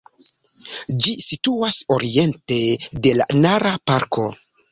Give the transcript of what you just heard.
Ĝi situas oriente de la Nara-parko.